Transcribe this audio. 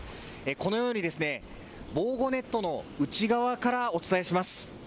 このように防護ネットの内側からお伝えします。